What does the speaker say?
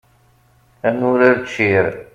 Ad nurar ččir.